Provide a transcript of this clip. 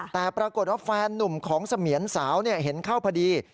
แต่ปรากฏว่าแฟนนุ่มของเสมียนสาวเห็นเข้าพอดี